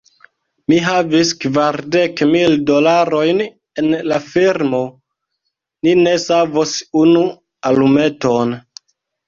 Mi havis kvardek mil dolarojn en la firmo; ni ne savos unu alumeton.